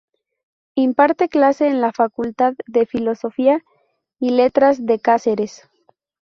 Imparte clase en la Facultad de Filosofía y Letras de Cáceres.